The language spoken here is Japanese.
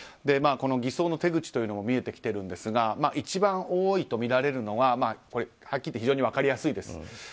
偽装の手口も見えてきているんですが一番多いとみられるのははっきり言って非常に分かりやすいです。